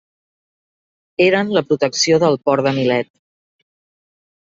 Eren la protecció del port de Milet.